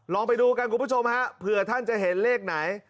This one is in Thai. ลองไปดูกันคุณผู้ชมฮะเผื่อท่านจะเห็นเลขไหน